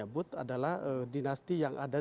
sebut adalah dinasti yang ada